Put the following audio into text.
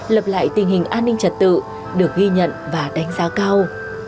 lập lại tình hình an ninh trật tự được ghi nhận và đánh giá cao